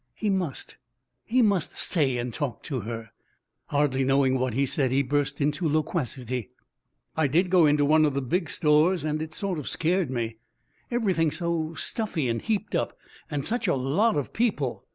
He must he must stay and talk to her. Hardly knowing what he said, he burst into loquacity. "I did go into one of the big stores, and it sort of scared me everything so stuffy and heaped up, and such a lot of people.